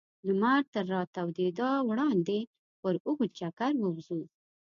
لمر تر راتودېدا وړاندې پر اوږد چکر ووځو.